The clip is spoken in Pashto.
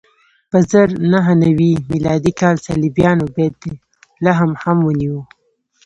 په زر نهه نوې میلادي کال صلیبیانو بیت لحم هم ونیو.